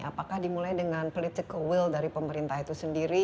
apakah dimulai dengan political will dari pemerintah itu sendiri